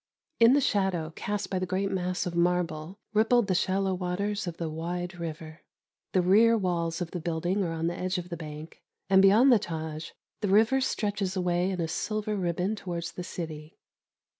In the shadow, cast by the great mass of marble, rippled the shallow waters of the wide river. The rear walls of the building are on the edge of the bank, and beyond the Tâj the river stretches away in a silver ribbon towards the city.